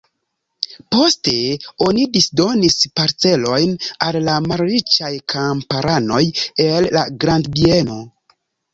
Poste oni disdonis parcelojn al la malriĉaj kamparanoj el la grandbieno.